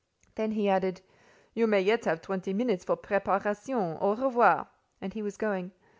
Then he added, "You may yet have twenty minutes for preparation: au revoir!" And he was going.